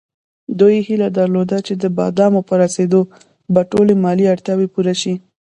دوی هیله درلوده چې د بادامو په رسېدو به ټولې مالي اړتیاوې پوره شي.